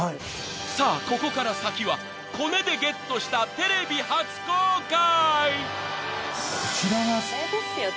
［さあここから先はコネでゲットしたテレビ初公開］